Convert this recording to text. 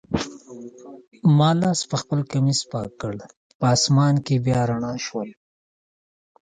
ما لاس پخپل کمیس پاک کړ، په آسمان کي بیا رڼا شول.